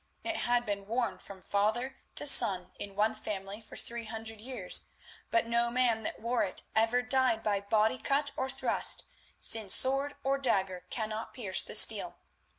It had been worn from father to son in one family for three hundred years, but no man that wore it ever died by body cut or thrust, since sword or dagger cannot pierce that steel.